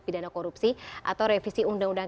pidana korupsi atau revisi undang undang